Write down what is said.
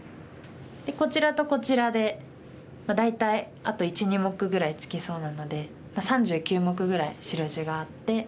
こちらとこちらで大体あと１２目ぐらいつきそうなので３９目ぐらい白地があって。